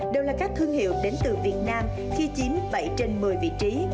đều là các thương hiệu đến từ việt nam khi chiếm bảy trên một mươi vị trí